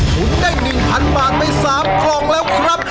ทุนได้๑๐๐๐บาทใน๓กล่องแล้วครับ